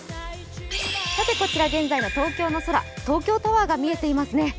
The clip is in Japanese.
こちら現在の東京の空、東京タワーが見えてますね。